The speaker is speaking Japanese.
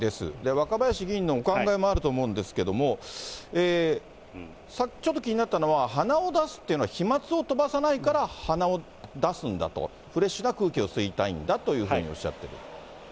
若林のお考えもあると思うんですけれども、さっき、ちょっと気になったのは鼻を出すというのは飛まつを飛ばさないから鼻を出すんだと、フレッシュな空気を吸いたいんだというふうにおっしゃってる。